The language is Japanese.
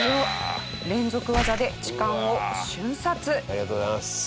ありがとうございます。